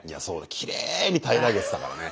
きれいに平らげてたからね。